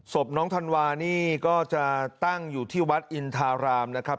ศพน้องธันวานี่ก็จะตั้งอยู่ที่วัดอินทารามนะครับ